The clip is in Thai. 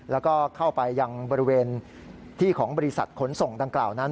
แล้วก็เข้าไปยังบริเวณที่ของบริษัทขนส่งดังกล่าวนั้น